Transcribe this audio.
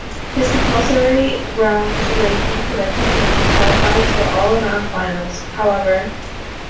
His compulsory round ranking prevented him from qualifying to the all-around finals, however.